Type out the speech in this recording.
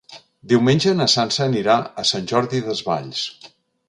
Diumenge na Sança anirà a Sant Jordi Desvalls.